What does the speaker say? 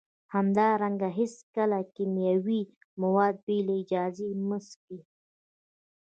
همدارنګه هیڅکله کیمیاوي مواد بې له اجازې مه څکئ